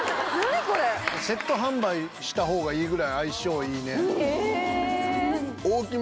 セット販売したほうがいいぐらい相性いいね。